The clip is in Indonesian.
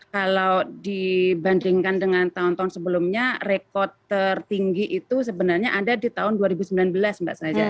kalau dibandingkan dengan tahun tahun sebelumnya rekod tertinggi itu sebenarnya ada di tahun dua ribu sembilan belas mbak saja